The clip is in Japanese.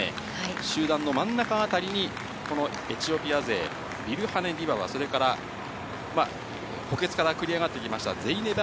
集団の真ん中辺りに、このエチオピア勢、ビルハネ・ディババ、それから、補欠から繰り上がってきました、ゼイネバ